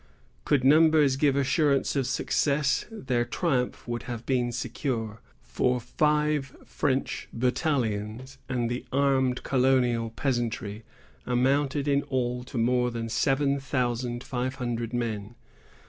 Could numbers give assurance of success, their triumph would have been secure; for five French battalions and the armed colonial peasantry amounted in all to more than seven thousand five hundred men.